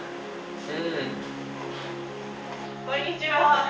こんにちは。